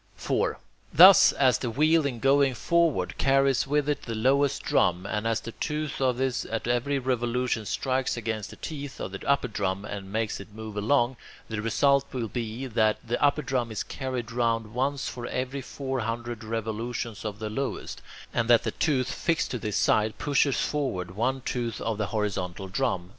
4. Thus, as the wheel in going forward carries with it the lowest drum, and as the tooth of this at every revolution strikes against the teeth of the upper drum, and makes it move along, the result will be that the upper drum is carried round once for every four hundred revolutions of the lowest, and that the tooth fixed to its side pushes forward one tooth of the horizontal drum.